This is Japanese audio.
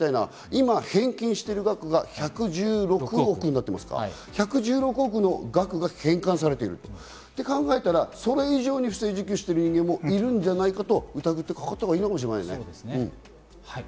今、返金している額が１１６億になってますか、１１０億、その額が返還されているとしたらそれ以上不正受給している人がいるじゃないかと疑って考えたほうがいいですね。